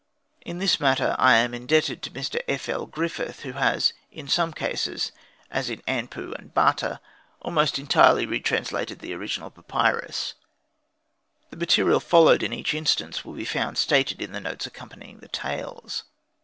In this matter I am indebted to Mr. F. Ll. Griffith, who has in some cases as in Anpu and Bata almost entirely retranslated the original papyrus. The material followed in each instance will be found stated in the notes accompanying the tales.